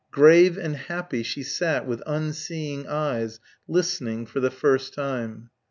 Grave and happy she sat with unseeing eyes, listening, for the first time.